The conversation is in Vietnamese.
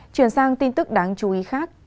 chuyển sang tin tức đáng chú ý khác